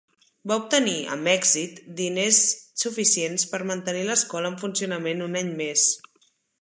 Va obtenir, amb èxit, diners suficients per mantenir l'escola en funcionament un any més.